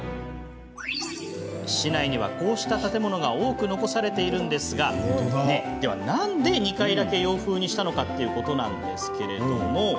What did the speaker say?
市内には、こうした建物が多く残されているんですがでは、なんで２階だけ洋風にしたのかということなんですが。